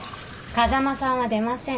風間さんは出ません。